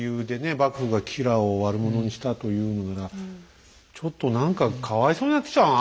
幕府が吉良を悪者にしたというならちょっと何かかわいそうになってきちゃうなあ